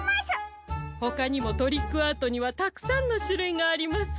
ほかにもトリックアートにはたくさんのしゅるいがあります。